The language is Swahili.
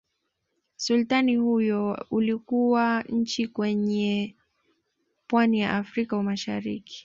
Usultani huo ulikuwa nchi kwenye pwani ya Afrika mashariki